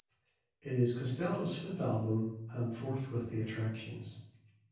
It is Costello's fifth album, and fourth with the Attractions.